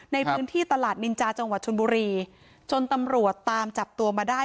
ในพื้นที่ตลาดนินจาจังหวัดชนบุรีจนตำรวจตามจับตัวมาได้